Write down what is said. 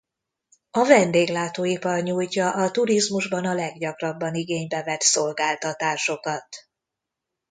A vendéglátóipar nyújtja a turizmusban a leggyakrabban igénybe vett szolgáltatásokat.